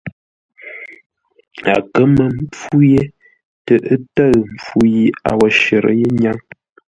A kə mə́ mpfú yé tə ə́ tə̂ʉ mpfu yi a wo shərə́ yé ńnyáŋ.